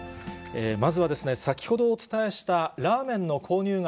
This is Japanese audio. まずはですね、先ほどお伝えしたラーメンの購入額